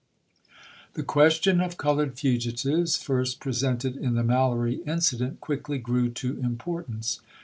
The question of colored fugitives, first presented in the MaUory incident, quickly grew to impor tance.